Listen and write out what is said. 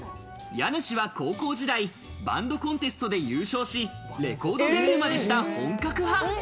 家主は高校時代、バンドコンテストで優勝し、レコードデビューまでした本格派。